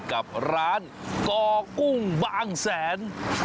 กับร้านก่อกุ้งบางแสน